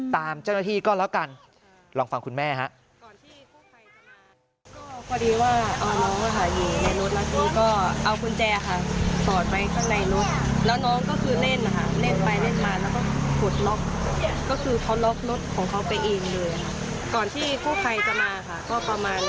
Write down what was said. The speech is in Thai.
ตามเจ้าหน้าที่ก็แล้วกันลองฟังคุณแม่ฮะ